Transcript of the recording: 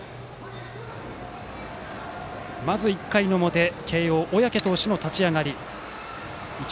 まず１回表、慶応小宅投手の立ち上がり。